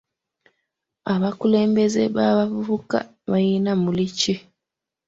Abakulembeze b'abavuvuka balina muli ki?